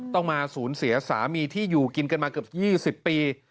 ต้องมาสูญเสียสามีที่อยู่กินกันมาเกือบ๒๐ปี